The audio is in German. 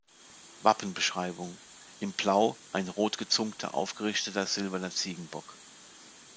Wappenbeschreibung: In Blau ein rotgezungter aufgerichteter silberner Ziegenbock.